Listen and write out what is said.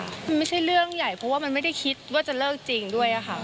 มันไม่ใช่เรื่องใหญ่เพราะว่ามันไม่ได้คิดว่าจะเลิกจริงด้วยค่ะ